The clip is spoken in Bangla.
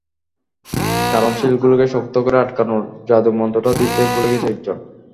কারণ, সিলগুলোকে শক্ত করে আটকানোর জাদুমন্ত্রটা দিতে ভুলে গেছে একজন।